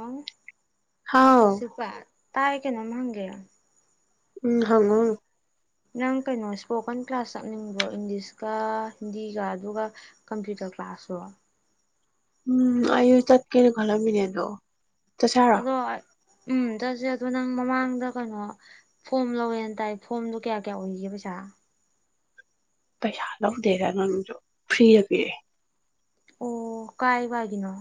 ꯑ ꯍꯥꯎ ꯇꯌꯦ ꯀꯩꯅꯣ ꯃꯒꯦ ꯎꯝ ꯍꯉ ꯅꯪ ꯀꯩꯅꯣ ꯏꯁꯄꯣꯀꯟ ꯀ꯭ꯂꯥꯁ ꯆꯠꯅꯤꯡꯕ꯭ꯔꯣ ꯏꯪꯂꯤꯁꯀ ꯍꯤꯟꯗꯤꯒ ꯑꯗꯨꯒ ꯀꯝꯄ꯭ꯌꯨꯇꯔ ꯀ꯭ꯂꯥꯁꯁꯨꯣ ꯎꯝ ꯑꯨ ꯇꯠ ꯀꯩꯅ ꯈꯔ ꯃ ꯂꯩꯗꯣ ꯑꯗꯣ ꯎꯝ ꯆꯠꯁꯦ ꯑꯗꯣ ꯅꯪ ꯃꯃꯥꯡꯗ ꯀꯩꯅꯣ ꯐꯣꯝ ꯂꯧꯋꯦꯅ ꯇꯥꯏ ꯐꯣꯝꯗꯣ ꯀꯌꯥ ꯀꯌꯥ ꯑꯣꯏꯒꯦ ꯄꯩꯁꯥ ꯄꯩꯁꯥ ꯂꯑꯣ ꯗꯦꯗ ꯅꯁꯨꯣ ꯐ꯭ꯔꯤ ꯄꯔꯦ ꯑꯣ ꯀꯥꯏ ꯋꯥꯒꯤꯅꯣ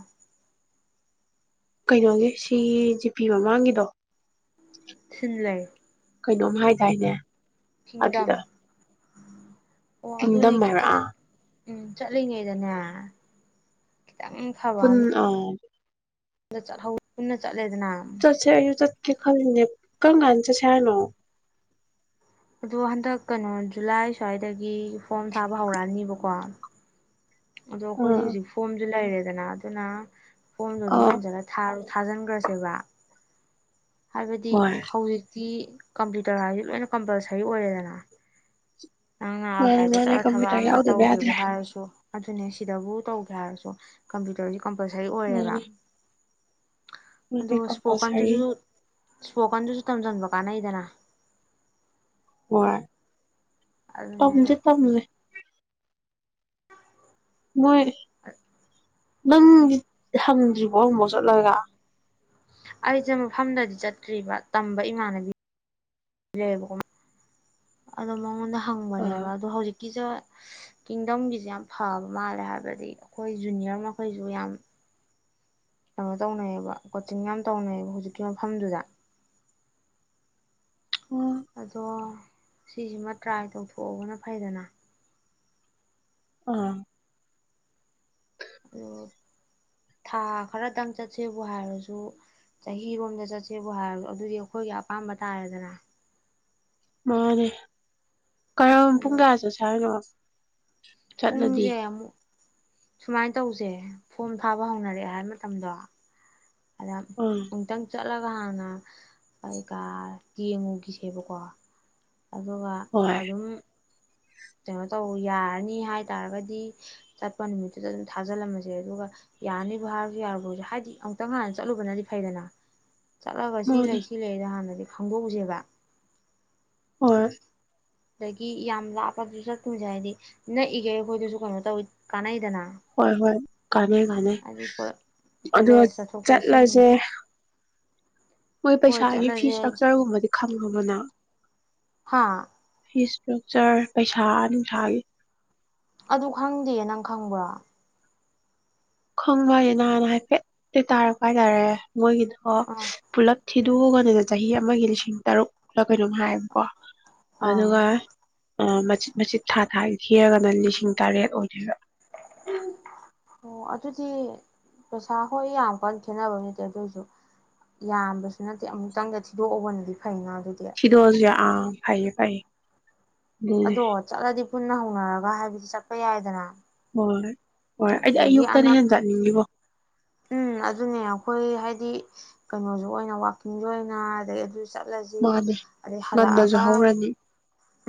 ꯀꯩꯅꯣꯒꯤ ꯁꯤꯒꯤ ꯖꯤꯄꯤ ꯃꯃꯥꯡꯒꯤꯗꯣ ꯁꯤꯟꯂꯔ ꯀꯦꯏꯅꯣꯝ ꯍꯥꯏꯗꯥꯏꯟ ꯇꯧꯕꯥ꯫ ꯀꯤꯡꯗꯝ ꯑꯣ ꯑꯗꯨꯅ ꯀꯤꯡꯗꯝ ꯀ ꯍꯥꯏꯕ꯭ꯔꯥ ꯆꯂ ꯑꯥ ꯎꯝ ꯆꯠꯂꯤꯉꯩꯗꯅꯦ ꯄꯨꯟ ꯑ ꯆ ꯍꯥꯎ ꯄꯨꯟꯅ ꯆꯥ ꯆꯠꯁꯦ ꯏꯁꯨ ꯆꯠꯀꯦ ꯈ꯭ꯂꯤꯟ꯫ ꯀꯔꯃꯀꯟ ꯆ꯭ꯁꯦ ꯍꯥꯏꯅꯣ꯫ ꯑꯗꯨ ꯍꯥꯟꯗꯛ ꯀꯦꯏꯅꯣ ꯖꯨꯂꯥꯏ ꯁ꯭ꯕꯥꯏ ꯗꯥꯒꯤ꯫ ꯐꯔꯝ ꯊꯥꯕꯥ ꯍꯨꯔꯥꯅꯤ ꯕꯥ ꯀꯣ꯫ ꯑꯗꯨ ꯑꯈꯣꯏ ꯗꯤ ꯑꯥ ꯍꯥꯑꯣꯖꯤꯛ ꯐꯔꯝ ꯁꯨ ꯂꯦꯏꯔꯦ꯫ ꯑꯗꯨꯅ ꯑꯗꯨꯅ ꯐꯔꯝ ꯗꯨ ꯑꯥꯗꯨꯝ ꯑꯥ ꯃꯦꯅꯖꯤꯅꯂꯥ ꯊꯥꯔꯣ꯫ ꯊꯥꯖꯤꯡꯒ꯭ꯔꯥꯁꯦ ꯕꯥ꯫ ꯍꯥꯏꯕꯥ ꯗꯤ ꯍꯣꯏ ꯍꯥꯑꯣꯖꯤꯛ ꯗꯤ ꯀꯝꯞꯌꯨꯇꯔ ꯍꯥꯏ ꯗꯤ ꯂꯣꯏꯅꯥ ꯀꯝꯄꯂꯁꯔꯤ ꯑꯣꯏꯔꯦ ꯗꯤ. ꯑꯦꯟ. ꯑꯦ ꯅꯪ ꯉꯍ ꯃꯥꯅꯦ ꯑꯁꯥꯏꯏꯗ ꯃꯥꯅꯦ ꯆꯠꯂ ꯊꯕꯛ ꯀꯝꯄ꯭ꯌꯨꯇꯔ ꯑꯃ ꯌꯥꯎꯗꯕ ꯇꯧꯒꯦꯕꯨ ꯌꯥꯗ꯭ꯔꯦ ꯍꯥꯏꯔꯁꯨ ꯑꯗꯨꯅꯦ ꯁꯤꯗꯕꯨ ꯇꯧꯒꯦ ꯍꯥꯏꯔꯁꯨ ꯀꯝꯄ꯭ꯌꯨꯇꯔꯁꯤ ꯀꯝꯄꯂꯁꯔꯤ ꯑꯣꯏꯔꯦ ꯕꯥ꯫ ꯔꯦ ꯀ ꯄꯁ ꯏꯁꯄꯣꯀꯅꯗꯨꯁꯨ ꯇꯝꯁꯤꯟꯕ ꯀꯥꯅꯩꯏꯗꯅꯥ ꯍꯣꯏ ꯑꯗꯣ ꯇꯝꯁꯦ ꯇꯝꯁꯦ [inaudible] ꯍꯪꯗ꯭ꯔꯤꯕꯣ ꯑꯃꯨꯛꯐꯥꯎ ꯆꯠꯂꯒ ꯑꯩꯁꯦ ꯃꯐꯝꯗꯗꯤ ꯆꯠꯇ꯭ꯔꯤꯕ ꯇꯝꯕ ꯏꯃꯥꯟꯅꯕꯤ ꯂꯩꯌꯦꯕꯀꯣ ꯑꯗꯣ ꯃꯉꯣꯟꯗ ꯍꯪꯕꯅꯦ ꯑꯥ ꯕꯥ ꯑꯗꯨ ꯍꯧꯖꯤꯛ ꯒꯤꯁꯦ ꯀꯤꯡꯗꯝꯒꯤꯁꯦ ꯌꯥꯝ ꯐꯕ ꯃꯥꯜꯂꯦ ꯍꯥꯏꯕꯗꯤ ꯑꯩꯈꯣꯏ ꯖꯨꯅꯤꯌꯔ ꯃꯈꯩꯁꯨ ꯌꯥꯝ ꯀꯩꯅꯣ ꯇꯧꯅꯩꯌꯦꯕ ꯀꯣꯆꯤꯡ ꯌꯥꯝ ꯇꯧꯅꯩꯌꯦꯕ ꯍꯧꯖꯤꯛꯀꯤ ꯃꯐꯝꯗꯨꯗ ꯑꯗꯣ ꯁꯤ ꯁꯤꯃ ꯇꯔꯌ ꯑꯥ ꯑꯗꯨ ꯊꯥ ꯈꯔꯗꯪ ꯆꯠꯁꯦꯕꯨ ꯍꯥꯏꯔꯁꯨ ꯆꯍꯤꯔꯣꯝꯗ ꯆꯠꯁꯦꯕꯨ ꯍꯥꯏꯔꯁꯨ ꯑꯗꯨꯗꯤ ꯑꯩꯈꯣꯏꯒꯤ ꯑꯄꯥꯝꯕ ꯇꯥꯔꯦꯗꯅ ꯃꯥꯅꯦ꯫ ꯀꯔꯝ ꯑꯗꯣ ꯄꯨꯡ ꯀꯥꯌꯥ ꯆꯠꯁꯦ ꯍꯥꯏꯅꯣ꯫ ꯆꯠꯂꯗꯤ ꯄꯨꯡꯁꯦ ꯑꯃꯨꯛ ꯁꯨꯃꯥꯏꯅ ꯇꯧꯁꯦ ꯐꯣꯝ ꯊꯥꯕ ꯍꯧꯅꯔꯛꯑꯦ ꯍꯥꯏ ꯃꯇꯝꯗꯣ ꯑꯗ ꯎꯝ ꯑꯃꯨꯛꯇꯪ ꯆꯠ ꯆꯠꯂꯒ ꯍꯥꯟꯅ ꯀꯩꯀꯥ ꯌꯦꯡꯉꯨꯈꯤꯁꯦꯕꯀꯣ ꯑꯗꯨꯒ ꯍꯣꯏ ꯑꯗꯨꯝ ꯀꯩꯅꯣ ꯇꯧ ꯌꯥꯔꯅꯤ ꯍꯥꯏ ꯇꯥꯔꯒꯗꯤ ꯆꯠꯄ ꯅꯨꯃꯤꯠꯇꯨꯗ ꯑꯗꯨꯝ ꯊꯥꯖꯤꯜꯂꯝꯃꯁꯦ ꯑꯗꯨꯒ ꯌꯥꯔꯅꯤꯕꯨ ꯍꯥꯏꯔꯁꯨ ꯌꯥꯔꯨꯕ꯭ꯔꯁꯨ ꯍꯥꯏꯗꯤ ꯑꯃꯨꯛꯇꯪ ꯍꯥꯟꯅ ꯆꯠꯂꯨꯕꯅꯗꯤ ꯐꯩꯗꯅ ꯆꯠꯂꯒ ꯁꯤ ꯃꯥꯅꯦ ꯂꯩ ꯁꯤ ꯂꯩꯗ ꯍꯥꯟꯅꯗꯤ ꯈꯪꯗꯣꯛꯎꯁꯦꯕ ꯍꯣꯏ ꯑꯗꯒꯤ ꯌꯥꯝ ꯂꯥꯞꯄꯗꯨꯁꯨ ꯆꯠꯇꯨꯁꯦ ꯍꯥꯏꯗꯤ ꯅꯛꯏꯒꯦ ꯑꯩꯈꯣꯏꯗꯨꯁꯨ ꯀꯩꯅꯣ ꯇꯧꯋꯤ ꯀꯥꯟꯅꯩꯗꯅ ꯍꯣꯏ ꯍꯣꯏ ꯀꯥꯟꯅꯩ ꯀꯥꯟꯅꯩ ꯍꯥꯏꯗꯤ ꯑꯗꯣ ꯀꯣꯂꯦꯖ ꯆꯠꯊꯣꯛ ꯆꯠꯁꯤꯟ ꯆꯠꯂꯁꯦ ꯃꯣꯏ ꯍꯣꯏ ꯄꯩꯁꯥꯒꯤ ꯐꯤ ꯆꯠꯂꯁꯦ ꯏꯁꯇ꯭ꯔꯛꯆꯔꯒꯨꯝꯕꯗꯤ ꯈꯪꯕ ꯑꯃꯅ ꯍꯥ ꯐ ꯇꯔꯛꯆꯔ ꯄꯩꯁꯥ ꯅꯨꯡꯁꯥꯒꯤ ꯑꯗꯨ ꯈꯪꯗꯦ ꯅꯪ ꯈꯪꯕ꯭ꯔꯣ ꯈꯪꯕ ꯍꯥꯏꯁꯦ ꯅꯍꯥꯟ ꯍꯥꯏꯐꯦꯠꯇꯤ ꯇꯥꯔꯛꯄ ꯍꯥꯏꯇꯥꯔꯦ ꯃꯣꯏꯒꯤꯗꯣ ꯑꯥ ꯄꯨꯂꯞ ꯊꯤꯗꯣꯛꯑꯀꯅꯦ ꯆꯍꯤ ꯑꯃꯒꯤ ꯂꯤꯁꯤꯡ ꯇꯔꯨꯛꯂ ꯀꯩꯅꯣꯝ ꯍꯥꯏꯌꯦꯕꯀꯣ ꯑꯥ ꯑꯗꯨꯒ ꯃꯆꯤꯠ ꯃꯆꯤꯠ ꯊꯥ ꯊꯥꯒꯤ ꯊꯤꯔꯒꯅ ꯂꯤꯁꯤꯡ ꯇꯔꯦꯠ ꯑꯣꯏꯔꯤꯕ ꯎꯝ ꯑꯣ ꯑꯗꯨꯗꯤ ꯄꯩꯁꯥ ꯍꯣꯏ ꯌꯥꯝ ꯀꯟꯅ ꯈꯦꯠꯅꯕ ꯅꯠꯇꯦ ꯑꯗꯨ ꯑꯣꯏꯁꯨ ꯁꯤꯗꯁꯦ ꯑ ꯐꯩꯌꯦ ꯐꯥꯏꯌꯦ ꯑꯗꯣ ꯆꯗꯤ ꯄꯨꯟꯅ ꯍꯧꯅꯔꯒ ꯍꯥꯏꯕꯗꯤ ꯆꯠꯄ ꯌꯥꯏꯗꯅ ꯍꯣꯏ ꯍꯣꯏ ꯑꯩꯗꯤ ꯑꯗꯒꯤ ꯑꯌꯨꯛꯇꯅ ꯑꯅꯛ ꯍꯦꯟ ꯆꯠꯅꯤꯡꯉꯤꯕꯣ ꯎꯝ ꯑꯗꯨꯅꯦ ꯑꯩꯈꯣꯏ ꯍꯥꯏꯗꯤ ꯀꯩꯅꯣꯁꯨ ꯑꯣꯏꯅ ꯋꯥꯛꯀꯤꯡꯁꯨ ꯑꯣꯏꯅ ꯑꯗꯒꯤ ꯑꯗꯨꯁꯨ ꯆꯠꯂꯁꯤ ꯃꯥꯅꯦ ꯑꯗꯩ ꯉꯟꯅꯁꯨ ꯍꯜꯂꯛꯑꯒ ꯍꯧꯔꯅꯤ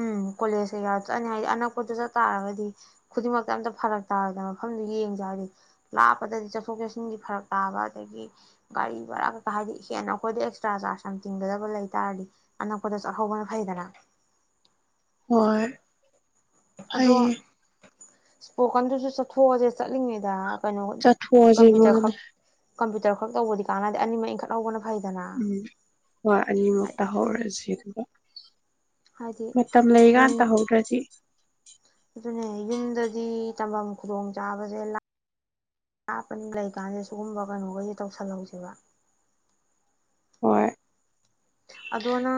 ꯎꯝ ꯀꯣꯂꯦꯖꯇ ꯌꯥꯎꯔ ꯆꯠꯂꯅꯤ ꯍꯥꯏꯗꯤ ꯑꯅꯛꯄꯗ ꯆꯠ ꯇꯥꯔꯒꯗꯤ ꯈꯨꯗꯤꯡꯃꯛꯇ ꯑꯝꯇ ꯐꯔꯛ ꯇꯥꯔꯗꯅ ꯃꯐꯝꯗꯨ ꯌꯦꯡꯁꯦ ꯍꯥꯏꯔꯗꯤ ꯂꯥꯞꯄꯗꯗꯤ ꯆꯠꯊꯣꯛ ꯆꯠꯁꯤꯟꯒꯤ ꯐꯔꯛ ꯇꯥꯕ ꯑꯗꯒꯤ ꯒꯥꯔꯤ ꯚꯔꯥ ꯀꯩꯀꯥ ꯍꯥꯏꯗꯤ ꯍꯦꯟꯅ ꯑꯩꯈꯣꯏꯗ ꯑꯦꯛꯁꯇ꯭ꯔꯥ ꯆꯥꯔꯖ ꯌꯥꯝ ꯇꯤꯡꯒꯗꯕ ꯂꯩ ꯇꯥꯔꯗꯤ ꯑꯅꯛꯄꯗ ꯆꯠꯍꯧꯕꯅ ꯐꯩꯗꯅ ꯍꯣꯏ ꯑꯗꯣ ꯐꯩꯌꯦ ꯏꯁꯄꯣꯀꯟꯗꯨꯁꯨ ꯆꯠꯊꯣꯛꯑꯁꯦ ꯆꯠꯂꯤꯉꯩꯗ ꯆꯊꯨꯁꯥꯟ ꯀꯝꯄ꯭ꯌꯨꯇ ꯈꯔ ꯇꯧꯕꯗꯤ ꯀꯥꯟꯗ ꯑꯅꯤ ꯏꯈꯠꯍꯧꯕꯅ ꯎꯝ ꯍꯣꯏ ꯑꯅꯤꯃꯨꯛꯇ ꯍꯧꯔꯁꯤ ꯗ ꯍꯥꯏꯗꯤ [inaudible] ꯃꯇꯝꯠꯇ ꯌꯨꯝ ꯂꯩꯒꯇ ꯍꯧꯗ꯭ꯔꯁꯤ ꯑꯗꯨꯅꯦ ꯌꯨꯝꯗꯗꯤ ꯆꯐꯝ ꯈꯨꯗꯣꯡ ꯆꯥꯕꯁꯦ ꯀꯥꯞꯄꯅꯤ ꯂꯩꯀꯥꯟꯁꯦ ꯁꯤꯨꯒꯨꯝꯕ ꯀꯩꯅꯣꯈꯩꯁꯦ ꯇꯧꯁꯜꯍꯧꯁꯦꯕ ꯍꯣꯏ ꯑꯗꯅ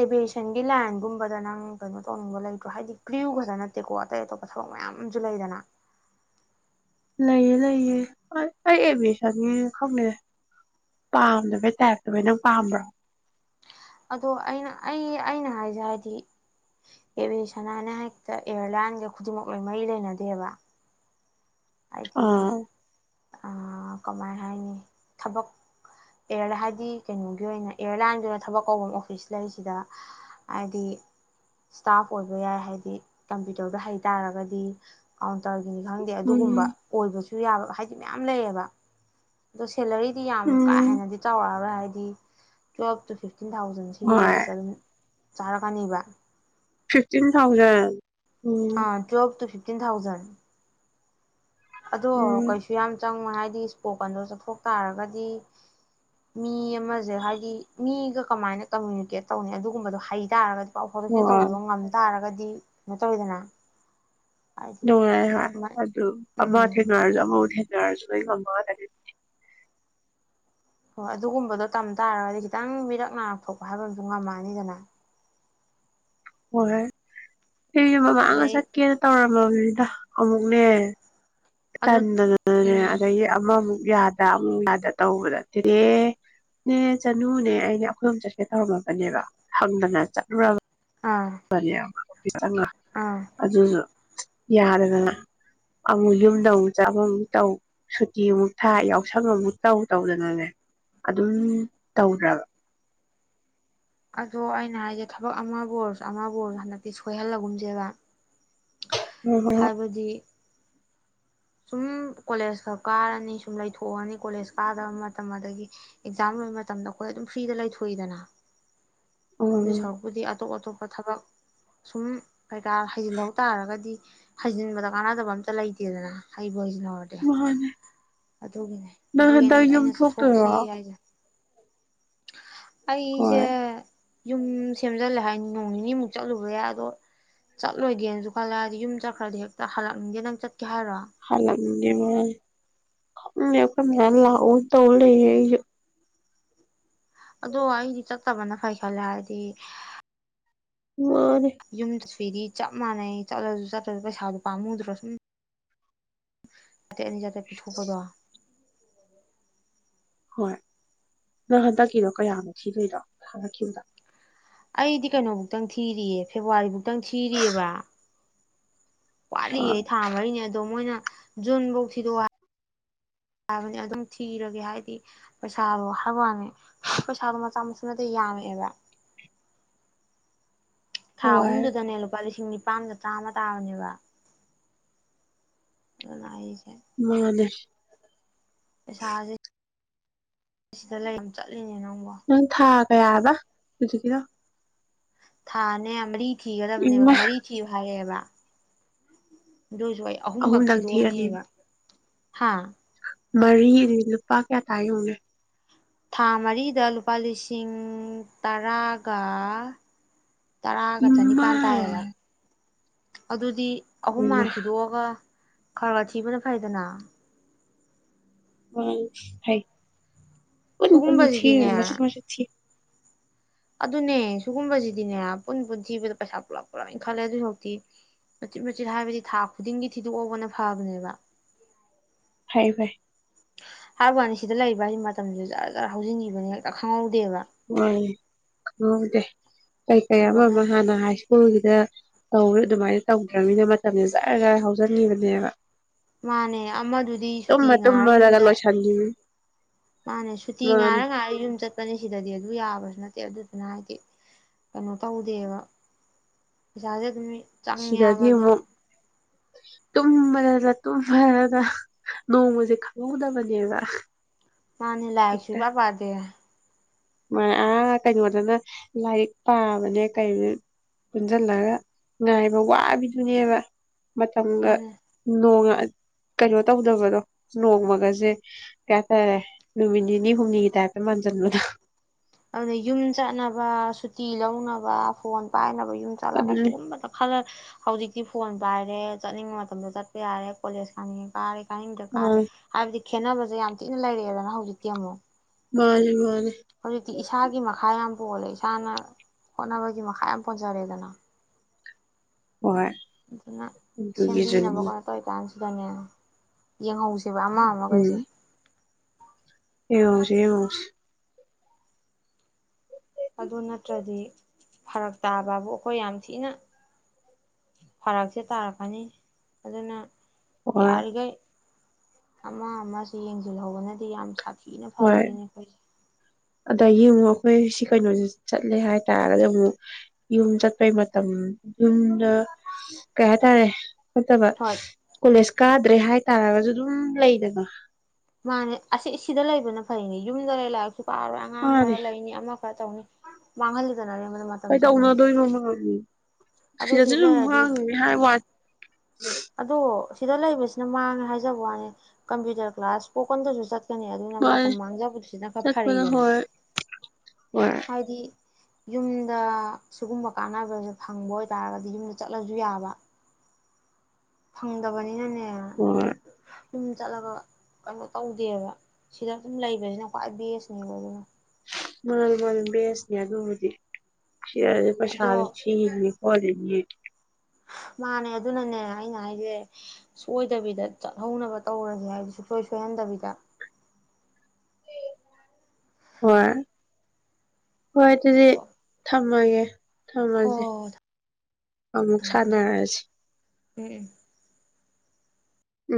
ꯑꯦꯚꯌꯦꯁꯟꯒꯤ ꯂꯥꯏꯟꯒꯨꯝꯕꯗ ꯅꯪ ꯀꯩꯅꯣ ꯇꯧꯅꯤꯡꯕ ꯂꯩꯇ꯭ꯔꯣ ꯍꯥꯏꯗꯤ ꯒ꯭ꯔꯤꯌꯨ ꯈꯛꯇ ꯅꯠꯇꯦꯀꯣ ꯑꯇꯩ ꯑꯇꯣꯞꯄ ꯊꯕꯛ ꯃꯌꯥꯝ ꯑꯃꯁꯨ ꯂꯩꯗꯅ ꯂꯩꯑ ꯂꯩꯌꯦ ꯑꯩ ꯑꯦꯠꯃꯤꯁꯟꯒꯤ ꯈꯪꯗ ꯄꯥꯝꯗꯕꯩ ꯇꯥꯏꯞꯇꯕꯩ ꯅꯪ ꯄꯥꯝꯕ꯭ꯔꯣ ꯑꯗꯣ ꯑꯩꯅ ꯑꯩ ꯑꯩꯅ ꯍꯥꯏꯁꯦ ꯍꯥꯏꯗꯤ ꯑꯦꯚꯁꯅꯥꯅ ꯍꯦꯛꯇ ꯑꯦꯌꯥꯔꯂꯥꯏꯟꯒ ꯈꯨꯗꯤꯡꯃꯛ ꯂꯣꯏ ꯃꯔꯤ ꯂꯩꯅꯗꯦꯕ ꯍꯥꯏꯗꯤ ꯑꯥ ꯀꯃꯥꯏ ꯍꯥꯏꯅꯤ ꯊꯕꯛꯔ ꯍꯥꯏꯗꯤ ꯀꯩꯅꯣꯒꯤ ꯑꯣꯏꯅ ꯑꯦꯌꯥꯔꯂꯥꯏꯟꯒꯤ ꯑꯣꯏꯅ ꯊꯕꯛ ꯀꯧꯕ ꯑꯣꯐꯤꯁ ꯂꯩꯁꯤꯗ ꯍꯥꯏꯗꯤ ꯏꯁꯇꯥꯐ ꯑꯣꯏꯕ ꯌꯥꯏ ꯍꯥꯏꯗꯤ ꯀꯝꯄ꯭ꯌꯨꯇꯔꯗ ꯍꯩ ꯇꯥꯔꯒꯗꯤ ꯀꯥꯎꯟꯇꯔꯒꯤꯅꯤ ꯈꯪꯗꯦ ꯑꯗꯨꯒꯨꯝꯕ ꯎꯝ ꯑꯣꯏꯕꯁꯨ ꯌꯥꯕ ꯍꯥꯏ ꯁꯤ ꯃꯌꯥꯝ ꯂꯩꯌꯦꯕ ꯑꯗꯣ ꯁꯦꯂꯔꯤꯗꯤ ꯌꯥꯝ ꯀꯥ ꯎꯝ ꯍꯦꯟꯅꯗꯤ ꯇꯧꯔꯔꯣꯏ ꯍꯥꯏꯗꯤ ꯇ꯭ꯋ ꯐꯤꯐ ꯐꯤꯐꯇꯤꯟ ꯊꯥꯎꯖꯟ ꯁꯤꯒꯤ ꯍꯣꯏ ꯔꯦꯟꯖꯇ ꯑꯗꯨꯝ ꯆꯥꯔ ꯀꯥꯅꯤꯔꯤꯕ ꯐꯤꯐꯇꯤꯟ ꯊꯥꯎꯖꯟ ꯎꯝ ꯑꯥ ꯆꯕ ꯇꯨ ꯐ ꯐꯤꯐꯇꯤꯟ ꯊꯥꯎꯖꯟ ꯑꯗꯣ ꯎꯝ ꯀꯩꯁꯨ ꯌꯥꯝ ꯆꯪ ꯍꯥꯏꯗꯤ ꯏꯁꯄꯣꯀꯟꯗꯣ ꯆꯠꯊꯣꯛ ꯇꯥꯔꯒꯗꯤ ꯃꯤ ꯑꯃꯁꯦ ꯍꯥꯏꯗꯤ ꯃꯤꯒ ꯀꯃꯥꯏꯅ ꯀꯃꯨꯅꯤꯀꯦꯠ ꯇꯧꯅꯤ ꯑꯗꯨꯒꯨꯝꯕꯗꯣ ꯍꯩ ꯇꯥꯔꯒꯗꯤ ꯐꯣꯔꯦꯁꯟ ꯍꯣꯏ ꯇꯧꯕꯗꯣ ꯉꯝ ꯇꯥꯔꯒꯗꯤ ꯅꯠꯇꯇꯩꯗꯅ ꯅꯨꯡꯉꯥꯏ ꯍꯥꯏ ꯑꯗꯨ ꯑꯃ ꯎꯝ ꯊꯅꯔꯖ ꯑꯃꯕꯨ ꯊꯦ ꯂꯔꯖꯃ ꯊꯦ ꯍꯣꯏ ꯑꯗꯨꯒꯨꯝꯕꯗꯣ ꯇꯝ ꯇꯥꯔꯒꯗꯤ ꯈꯤꯇꯪ ꯃꯤꯔꯛ ꯅꯥꯔꯛꯊ ꯊꯣꯛꯄ ꯍꯥꯏꯕ ꯑꯃꯁꯁꯨ ꯉꯝꯃꯅꯤꯗꯅ ꯑꯣꯍ ꯀꯁꯨ ꯃꯃꯥꯡꯒ ꯑꯗꯩ ꯆꯠꯀꯦꯅ ꯇꯧꯔꯕ ꯃꯗ ꯑꯃꯃꯨꯛꯅꯦ ꯑꯗꯨ ꯆꯟꯗꯅꯅꯦ ꯎꯝ ꯑꯗꯒꯤ ꯑꯃꯃꯨꯛ ꯌꯥꯗ ꯑꯃꯨꯛ ꯌꯥꯗ ꯇꯧꯕꯗ ꯇꯦꯔꯦꯅꯦ ꯆꯅꯨꯅꯦ ꯑꯅꯦ ꯑꯩꯈꯣꯏ ꯑꯃꯝ ꯆꯠꯀꯦ ꯇꯧꯔꯝꯃꯕꯅꯦꯕ ꯍꯪꯗꯅ ꯆꯠꯂꯨꯔꯕ ꯑꯥ ꯐꯔꯤ ꯅ ꯑꯥ ꯑꯗꯨ ꯌꯥꯗꯗꯅ ꯑꯃꯨꯛ ꯌꯨꯝꯗ ꯑꯃꯨꯛ ꯆꯥꯕ ꯑꯃꯨꯛ ꯇꯧ ꯁꯨꯇꯤ ꯑꯃꯨꯛ ꯊꯥ ꯌꯥꯎꯁꯪ ꯑꯃꯨꯛ ꯇꯧ ꯇꯧꯗꯅꯅꯦ ꯑꯗꯨꯝ ꯇꯧꯗ꯭ꯔꯕ ꯑꯗꯣ ꯑꯩꯅ ꯍꯥꯏꯁꯦ ꯊꯕꯛ ꯑꯃꯕꯨ ꯑꯣꯏꯔꯁꯨ ꯑꯃꯕꯨ ꯑꯣꯏꯔꯁꯨ ꯍꯟꯗꯛꯇꯤ ꯁꯣꯏꯍꯜꯂꯒꯨꯝꯁꯦꯕ ꯍꯥꯏꯕꯗꯤ ꯁꯨꯝ ꯀꯣꯂꯦꯖꯀ ꯀꯥꯔꯅꯤ ꯁꯨꯝ ꯂꯩꯊꯣꯛꯑꯅꯤ ꯀꯣꯂꯦꯖ ꯀꯥꯗꯕ ꯃꯇꯝ ꯑꯗꯒꯤ ꯑꯦꯛꯖꯥꯝ ꯂꯣꯏꯕ ꯃꯇꯝꯗ ꯑꯩꯈꯣꯏ ꯑꯗꯨꯝ ꯐ꯭ꯔꯤꯗ ꯂꯩꯊꯣꯛꯏꯗꯅ ꯑꯗꯨ ꯎꯝ ꯁꯥꯎꯛꯄꯗꯤ ꯑꯇꯣꯛ ꯑꯇꯣꯛ ꯊꯕꯛ ꯁꯨꯝ ꯀꯩꯀꯥ ꯍꯩꯖꯤꯜꯍꯧ ꯇꯥꯔꯒꯗꯤ ꯍꯩꯖꯤꯟꯕꯗ ꯀꯥꯟꯅꯗꯕ ꯑꯝꯇ ꯂꯩꯇꯦꯗꯅ ꯍꯥꯏ ꯣꯏꯁ ꯂꯗ ꯃꯥꯅꯦ ꯑꯗꯨꯒꯤꯅꯦ ꯅꯪ ꯑꯗꯨꯒꯤꯅꯦ ꯍꯟꯗꯛ ꯌꯨꯝ ꯑꯩꯅ ꯆꯠꯊꯣꯛꯁꯤ ꯊꯣꯛꯇꯣꯏꯔꯣ ꯍꯥꯏꯁꯦ ꯑꯩꯁꯦ ꯍꯣꯏ ꯌꯨꯝ ꯁꯦꯝꯖꯤꯜꯂꯦ ꯍꯥꯏ ꯅꯣꯡ ꯅꯤꯅꯤꯃꯨꯛ ꯆꯠꯂꯨꯕ ꯌꯥꯏ ꯑꯗꯣ ꯆꯠꯂꯣꯏꯒꯦꯅꯁꯨ ꯈꯜꯂꯦꯗꯤ ꯌꯨꯝ ꯆꯠꯈ꯭ꯔꯗꯤ ꯍꯦꯛꯇ ꯍꯜꯂꯛꯅꯤꯡꯗꯦ ꯅꯪ ꯆꯠ ꯔ ꯃꯂ ꯇ ꯑꯗꯣ ꯑꯩꯗꯤ ꯆꯠꯇꯕꯅ ꯐꯩ ꯈꯜꯂꯦ ꯍꯥꯏꯗꯤ ꯃꯥꯔ ꯐꯦꯗꯤ ꯆꯞ ꯃꯥꯟꯅꯩ ꯆꯠꯂꯁꯨ ꯆꯠꯇꯂꯁꯨ ꯄꯩꯁꯥꯗꯨꯣ ꯄꯥꯝꯃꯨꯗ꯭ꯔꯣ ꯁꯨꯝ ꯑꯥꯇꯠ ꯑꯅꯤꯖꯥꯇꯦ ꯄꯤꯊꯣꯛꯄꯗꯣ [unintelligible] ꯍꯣꯏ ꯅꯪ ꯍꯟꯗꯛꯀꯤꯗꯣ ꯀꯌꯥꯃꯨꯛ ꯊꯤꯗꯣꯏꯅꯣ ꯍꯥꯏꯪꯉꯛꯈꯤꯕꯗ ꯑꯩꯗꯤ ꯀꯩꯅꯣꯕꯨꯧꯛꯇꯪ ꯊꯤꯔꯤꯌꯦ ꯐꯦꯕꯋꯥꯔꯤ ꯐꯧ ꯈꯤꯇꯪ ꯊꯤꯔꯤꯑꯕ ꯋꯥꯠꯂꯤꯌꯦ ꯑꯩ ꯊꯥ ꯃꯔꯤꯅꯦ ꯑꯗꯣ ꯃꯣꯏꯅ ꯌꯣꯟꯕꯨ ꯄꯨꯁꯤꯗ ꯌꯥꯕꯅꯤ ꯑꯗꯨꯝ ꯊꯤꯔꯒꯦ ꯍꯥꯏꯕꯗꯤ ꯄꯩꯁꯥꯗꯣ ꯍꯥꯏꯕ ꯋꯥꯅꯤ ꯄꯩꯁꯥꯗꯣ ꯃꯆꯥ ꯃꯁꯨꯅꯠꯇ ꯌꯥꯝꯃꯛꯑꯦꯕ ꯊꯥ ꯍꯣꯏ ꯑꯍꯨꯝꯗꯨꯗꯅꯦ ꯂꯨꯄꯥ ꯂꯤꯁꯤꯡ ꯅꯤ ꯑꯄꯥꯝꯗ ꯆꯥ ꯑꯃ ꯇꯥꯕꯅꯦꯕ [unintelligible] ꯃꯥꯅꯦ ꯄꯩꯁꯥꯥꯁꯦ ꯁꯤꯗ ꯂꯩ ꯆꯠꯂ ꯎ ꯊꯥꯛ ꯀꯌꯥ ꯌꯥꯕ ꯁꯤꯗꯤ ꯀꯗꯣ ꯊꯥꯅꯦ ꯍ ꯊꯤꯒꯗꯕꯅꯦꯕ ꯏꯃꯥ ꯃꯔꯤ ꯊꯤꯌꯨ ꯍꯥꯏꯔꯛꯑꯦꯕ ꯑꯗꯨꯏꯁꯨ ꯑꯩ ꯑꯍꯨꯝꯈꯛ ꯑꯍꯨꯝꯗꯪ ꯊꯤꯔꯅꯦꯕ ꯊꯤꯗꯣꯛꯑꯅꯦꯕ ꯍꯥꯥ ꯃꯔꯤꯗꯤ ꯂꯨꯄꯥ ꯀꯌꯥ ꯇꯥꯏꯌꯌꯨꯅꯦ ꯊꯥ ꯃꯔꯤꯗ ꯂꯨꯄꯥ ꯂꯤꯁꯤꯡ ꯇꯔꯥꯒ ꯇꯔꯥꯒ ꯏꯃꯥ ꯆꯅꯤꯄꯥꯟ ꯇꯥꯏꯌꯦꯕ ꯑꯗꯨꯗꯤ ꯑꯍꯨꯝ ꯏꯃꯥ ꯃꯥꯟ ꯊꯤꯗꯣꯛꯑꯒ ꯈꯔꯊꯤꯕꯅ ꯐꯩꯗꯅ ꯋꯥ ꯍꯥꯏ ꯄꯨ ꯄꯨꯟꯅ ꯊ ꯃꯆꯠ ꯁꯤꯒꯨꯝꯕꯁꯤꯗꯤꯅꯦ ꯃꯆꯠ ꯊ ꯑꯗꯨꯅꯦ ꯁꯤꯨꯒꯨꯝꯕꯁꯤꯗꯤꯅꯦ ꯄꯨꯟ ꯄꯨꯟ ꯊꯤꯕꯗ ꯄꯩꯁꯥ ꯄꯨꯜꯂꯞ ꯄꯨꯂꯞ ꯏꯟꯈꯠꯂꯦ ꯑꯗꯨ ꯍꯧꯖꯤꯛꯇꯤ ꯃꯆꯤꯠ ꯃꯆꯤꯠ ꯍꯥꯏꯕꯗꯤ ꯊꯥ ꯈꯨꯗꯤꯡꯒꯤ ꯊꯤꯗꯣꯛꯍꯒꯅ ꯐꯕꯅꯦꯕ ꯐꯩ ꯐꯥꯏ ꯍꯥꯏ ꯋꯥꯅꯤ ꯁꯤꯗ ꯂꯩꯕ ꯍꯥꯏꯁꯤ ꯃꯇꯝꯁꯨ ꯖꯔꯖꯔ ꯍꯧꯖꯤꯟꯈꯤꯕꯅꯤ ꯍꯦꯛꯇ ꯈꯪꯍꯧ ꯍ ꯍ ꯑꯦꯦ ꯀꯩꯀꯩ ꯑꯗꯣ ꯑꯃ ꯑꯃ ꯑꯩꯈꯣꯏ ꯍꯥꯟꯅ ꯍꯥꯏ ꯁ꯭ꯀꯨꯜꯒꯤ ꯁꯤꯗ ꯇꯧꯔ ꯑꯗꯨꯃꯥꯏꯅ ꯇꯧꯗ꯭ꯔꯅꯤꯅ ꯃꯇꯝꯁꯦ ꯆꯖꯥꯔꯒꯥꯏ ꯍꯧꯖꯤꯟꯕꯅꯦꯕ ꯃꯥꯅꯦ ꯑꯃꯗꯨꯗꯤ ꯁꯨꯇꯤ ꯉꯥꯏꯔ ꯇꯨꯝꯃꯗꯒ ꯌꯨꯝꯗ ꯂꯣꯏꯁꯤꯟꯈꯤꯕꯅꯤ ꯃꯥꯅꯦ ꯁꯨꯇꯤ ꯃꯥꯅꯦ ꯉꯥꯔ ꯉꯥꯏꯔ ꯌꯨꯝ ꯆꯠꯄꯅꯦ ꯁꯤꯗꯗꯤ ꯑꯗꯨ ꯑꯗꯨ ꯌꯥꯕꯁꯨ ꯅꯠꯇꯦ ꯑꯗꯨꯗꯨꯅ ꯍꯥꯏꯗꯤ ꯀꯩꯅꯣ ꯇꯧꯗꯦꯕ ꯄꯩꯁꯥꯁꯦ ꯑꯗꯨꯝ ꯆꯪꯉꯦꯕ ꯑꯗꯨꯅ ꯇꯨꯝꯃꯅ ꯇꯨꯝꯃꯅ ꯅꯣꯡꯃꯁꯦ ꯈꯪꯍꯧꯗꯕꯅꯦꯕ ꯃꯥꯅꯤ ꯂꯑꯁꯨ ꯍꯦꯛꯇ ꯄꯕꯥꯗꯦ ꯑꯥ ꯀꯩꯅꯣꯗꯅ ꯂꯥꯏꯔꯤꯛ ꯄꯥꯕꯅꯦ ꯀ ꯄꯨꯟꯁꯤꯜꯂꯒ ꯉꯥꯏꯕ ꯋꯥꯕꯤꯗꯨꯅꯦꯕ ꯃꯇꯝꯊꯪꯒ ꯃꯥꯅꯦ ꯅꯣꯡꯉ ꯀꯩꯅꯣ ꯇꯧꯗꯕꯗꯣ ꯅꯣꯡꯃꯒꯁꯦ ꯀꯩꯇꯥꯔꯦ ꯅꯨꯃꯤꯠ ꯅꯤꯅꯤ ꯍꯨꯝꯅꯤꯒꯤ ꯇꯥꯏꯞꯇ ꯃꯥꯟꯁꯤꯟꯕꯗꯣ ꯑꯗꯨꯅ ꯌꯨꯝ ꯆꯠꯅꯕ ꯁꯨꯇꯤ ꯂꯧꯅꯕ ꯐꯣꯟ ꯄꯥꯏꯅꯕ ꯌꯨꯝ ꯆꯠꯂꯒ ꯑꯗꯨꯅꯤ ꯁꯤꯒꯨꯝꯕꯗ ꯈꯜꯂ ꯍꯧꯖꯤꯛ ꯤ ꯐꯣꯟ ꯄꯥꯏꯔꯦ ꯆꯠꯅꯤꯡꯕ ꯃꯇꯝꯗ ꯆꯠꯄ ꯌꯥꯔꯦ ꯀꯣꯂꯦꯖ ꯈꯥꯡꯅꯤꯡꯉꯦ ꯀꯥꯔꯦ ꯇꯗ ꯀꯥꯔ ꯃꯥꯅꯦ ꯍꯥꯏꯕꯗꯤ ꯈꯦꯠꯅꯕꯁꯦ ꯌꯥꯝ ꯊꯤꯅ ꯂꯩꯔꯛꯑꯦꯗꯅ ꯍꯧꯖꯤꯛꯇꯤ ꯑꯃꯨꯛ ꯃꯥꯦ ꯃꯥꯦ ꯍꯧꯖꯤꯛꯇꯤ ꯏꯁꯥꯒꯤ ꯃꯈꯥ ꯌꯥꯝ ꯄꯣꯜꯂꯦ ꯏꯁꯥꯅ ꯍꯣꯠꯅꯕꯒꯤ ꯃꯈꯥ ꯌꯥꯝ ꯄꯣꯟꯖꯔꯦꯗꯅ ꯍꯣꯏ ꯑꯗꯨꯅ ꯑꯗꯨꯒꯤꯁꯨꯅꯤ ꯁꯦꯝꯕꯤꯅꯕꯀꯣꯅ ꯇꯧꯀꯥꯟꯁꯤ ꯁꯤꯕꯥꯅꯦ ꯌꯦꯡ ꯁꯤꯕ ꯑꯃꯃ ꯑꯃꯃ ꯀꯩꯁ ꯑꯣꯁ ꯑꯗꯨ ꯅꯠꯇ꯭ꯔꯗꯤ ꯐꯔꯛ ꯇꯥꯕꯕꯨ ꯑꯩꯈꯣꯏ ꯌꯥꯝ ꯊꯤꯅ ꯐꯔꯛꯁꯦ ꯇꯥꯔꯛꯀꯅꯤ ꯑꯗꯨꯅ ꯍꯣꯏ ꯌꯥꯔꯒ ꯑꯃ ꯑꯃꯁꯨ ꯌꯦꯡꯁꯤꯜꯍꯧꯕꯅꯗꯤ ꯌꯥꯝ ꯁꯥꯐꯤ ꯊꯤꯅ ꯍꯣꯏ ꯐꯗꯣꯏꯅꯦ ꯑꯩꯈꯣꯏ ꯑꯗꯒꯤ ꯌꯦꯡ ꯑꯃꯨꯛ ꯑꯩꯈꯣꯏ ꯁꯤ ꯀꯩꯅꯣꯁꯤ ꯆꯠꯂꯦ ꯍꯥꯏꯇꯥꯔꯒꯗꯤ ꯑꯃꯨꯛ ꯌꯨꯝ ꯆꯠꯄꯩ ꯃꯇꯝ ꯌꯨꯝꯗ ꯀꯩ ꯍꯥꯏꯇꯥꯔꯦ ꯑꯠꯇꯕ ꯍꯣꯏ ꯀꯣꯂꯦꯖ ꯀꯥꯗ꯭ꯔꯦ ꯍꯥꯏꯇꯥꯔꯒꯁꯨ ꯑꯗꯨꯝ ꯂꯩꯗꯀ ꯃꯥꯅꯦ ꯑꯁꯤꯁ ꯁꯤꯗ ꯂꯩꯕꯅ ꯐꯩꯅꯦ ꯌꯨꯝꯗ ꯂꯩꯂꯛꯑꯁꯨ ꯄꯥꯔꯣꯏ ꯑꯉꯥꯡ ꯃꯥꯅꯦ ꯈꯔ ꯂꯩꯅꯤ ꯑꯃ ꯈꯔ ꯇꯧꯅꯤ ꯃꯥꯡꯍꯟꯗꯅꯔꯦꯕꯅ ꯃꯇꯝꯁꯦ ꯑꯗꯨꯝ ꯀꯩꯗꯧꯅꯗꯣꯏꯅꯣ ꯃꯥꯅꯦ ꯑꯗꯣ ꯁꯤ ꯁꯤꯗꯁꯨ ꯁꯨꯝ ꯃꯥꯡꯉꯦ ꯍꯥꯏ ꯋꯥ ꯑꯗ ꯁꯤꯗ ꯂꯩꯕꯁꯤꯅ ꯃꯥꯡꯉꯦ ꯍꯥꯏꯖꯕ ꯋꯥꯅꯤ ꯀꯝꯄ꯭ꯌꯨꯇꯔ ꯀ꯭ꯂꯥꯁ ꯄꯣꯛꯀꯟꯗꯁꯨ ꯆꯠ ꯈꯅꯦ ꯑꯗꯨꯅ ꯃꯥꯅꯦ ꯃꯇꯝ ꯃꯥꯡꯖꯕꯗꯨꯁꯤꯅ ꯈꯔ ꯆꯠꯄꯗ ꯐꯔꯛꯗꯅ ꯍꯣꯏ ꯍꯣꯏ ꯍꯥꯏꯗꯤ ꯌꯨꯝꯗ ꯁꯤꯒꯨꯝꯕ ꯀꯥꯟꯅꯕꯁꯦ ꯐꯪꯕ ꯑꯣꯏꯇꯥꯔꯒꯗꯤ ꯌꯨꯝꯗ ꯆꯠꯂꯁꯨ ꯌꯥꯕ ꯐꯪꯗꯕꯅꯤꯅꯅꯦ ꯍꯣꯏ ꯌꯨꯝ ꯆꯠꯂꯒ ꯀꯩꯅꯣ ꯇꯧꯗꯦꯕ ꯁꯤꯗ ꯑꯗꯨꯝ ꯂꯩꯕꯁꯤꯅ ꯈ꯭ꯋꯥꯏ ꯕꯦꯁꯅꯦꯕ ꯑꯗꯨꯅ ꯃꯔꯜ ꯃꯔꯜ ꯦꯁꯅꯤ ꯑꯗꯨ ꯍꯧꯗꯤ ꯁꯤ ꯑꯗꯣ ꯄꯁꯥꯗ ꯆ ꯍꯗꯦ ꯃꯥꯅꯦ ꯑꯗꯨꯅꯅꯦ ꯑꯩꯅ ꯍꯥꯏꯁꯦ ꯁꯣꯏꯗꯕꯤꯗ ꯆꯠꯍꯧꯅꯕ ꯇꯧꯔꯁꯦ ꯍꯥꯏꯗꯤꯦ ꯁꯨꯡꯁꯣꯏ ꯁꯣꯏꯍꯟꯗꯕꯤꯗ ꯍꯔ ꯍꯣꯏ ꯑꯗꯨꯗꯤ ꯍꯣꯏ ꯊ ꯃꯥꯒꯦ ꯍꯣꯏ ꯊꯝꯃꯁꯦ ꯍꯣꯏ ꯑꯃꯨꯛ ꯊꯝꯃꯦ ꯊꯝꯃꯦ ꯁꯥꯟꯅꯔꯁꯤ ꯎꯝ ꯎꯝ